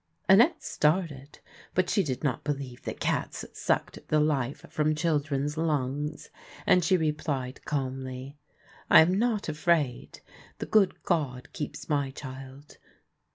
Annette started, but she did not believe that cats sucked the life from children's lungs, and she replied calmly :" I am not afraid ; the good God keeps my child."